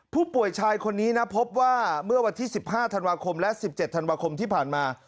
ผู้ป่วยชายคนนี้นะพบว่าเมื่อวันที่๑๕ธันวาคมและ๑๗ธันวาคมที่ผ่านมา